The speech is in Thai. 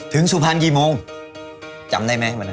ถึงสุพรรณกี่โมงจำได้ไหม